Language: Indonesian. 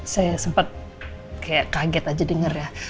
saya sempet kayak kaget aja denger ya